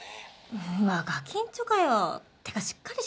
うわガキんちょかよてかしっかりしろよな！